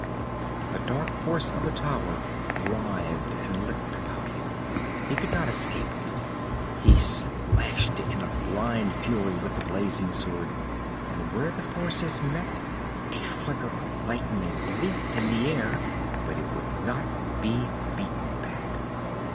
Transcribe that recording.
The dark force of the tower writhed and licked about him. He could not escape it. He slashed it in a blind fury with the blazing sword, and where the forces met a flicker of lightning leaped in the air, but it would not be beaten back.